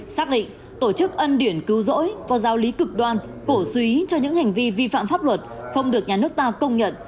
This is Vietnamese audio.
xác định tổ chức ân điển cứu rỗi có giao lý cực đoan cổ suý cho những hành vi vi phạm pháp luật không được nhà nước ta công nhận